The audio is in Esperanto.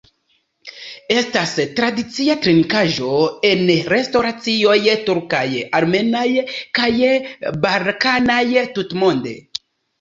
Estas tradicia trinkaĵo en restoracioj turkaj, armenaj kaj balkanaj tutmonde.